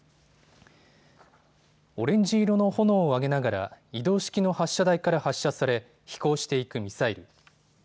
オレンジ色の炎を上げながら移動式の発射台から発射され飛行していくミサイル。